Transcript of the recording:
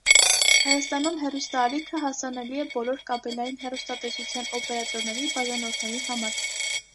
Հայաստանում հեռուստաալիքը հասանելի է բոլոր կաբելային հեռուստատեսության օպերատորների բաժանորդների համար։